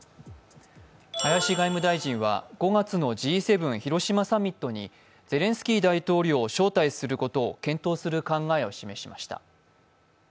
林外務大臣は５月のＧ７広島サミットにゼレンスキー大統領を招待することを検討する考えを示しました。